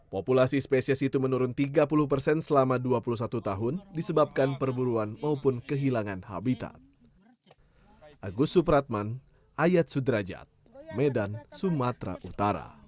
populasi spesies itu menurun tiga puluh persen selama dua puluh satu tahun disebabkan perburuan maupun kehilangan habitat